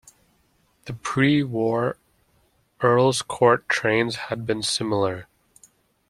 The pre-war Earls Court trains had been similar.